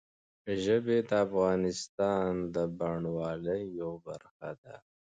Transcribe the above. ژبې د افغانستان د بڼوالۍ یوه برخه ده.